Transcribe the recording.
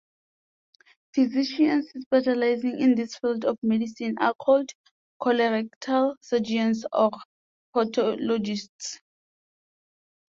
Physicians specializing in this field of medicine are called colorectal surgeons or proctologists.